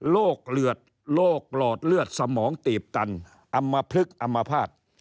เลือดโรคหลอดเลือดสมองตีบตันอำมพลึกอำมภาษณ์